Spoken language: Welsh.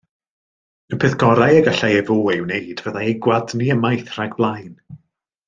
Y peth gorau y gallai efô ei wneud fyddai ei gwadnu ymaith rhag blaen.